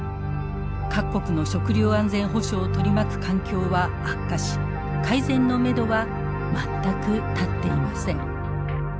各国の食料安全保障を取り巻く環境は悪化し改善のめどは全く立っていません。